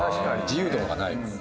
自由とかがない。